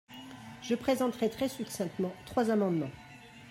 Je présenterai très succinctement trois amendements.